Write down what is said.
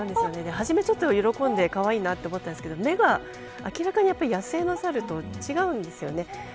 はじめ、喜んでかわいいなと思ったんですけど目が、明らかに野生のサルと違うんです。